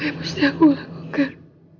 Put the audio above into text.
apa yang harus aku lakukan